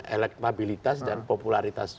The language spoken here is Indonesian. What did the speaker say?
elektabilitas dan popularitas